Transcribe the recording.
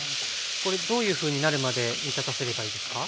これどういうふうになるまで煮たたせればいいですか？